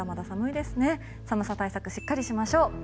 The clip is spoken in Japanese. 寒さ対策をしっかりしましょう。